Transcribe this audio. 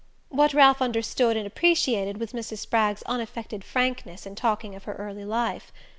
What Ralph understood and appreciated was Mrs. Spragg's unaffected frankness in talking of her early life.